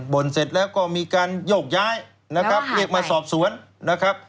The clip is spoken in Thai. ่นเสร็จแล้วก็มีการโยกย้ายนะครับเรียกมาสอบสวนนะครับ